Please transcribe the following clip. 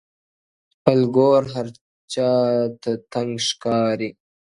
o خپل گور هر چا ته تنگ ښکاري!